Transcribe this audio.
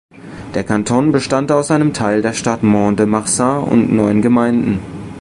Der Kanton bestand aus einem Teil der Stadt Mont-de-Marsan und neun Gemeinden.